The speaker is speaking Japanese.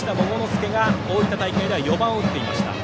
介が大分大会では４番を打っていました。